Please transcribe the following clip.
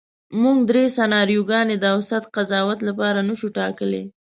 موږ درې سناریوګانې د اوسط قضاوت لپاره نشو ټاکلی.